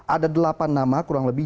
ada delapan nama kurang lebih